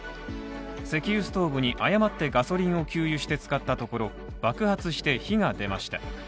石油ストーブに誤ってガソリンを給油して使ったところ爆発して火が出ました。